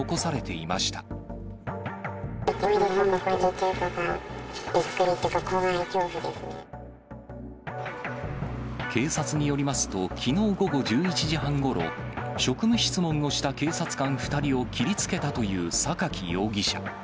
びっくりというか、怖い、恐怖で警察によりますと、きのう午後１１時半ごろ、職務質問をした警察官２人を切りつけたという榊容疑者。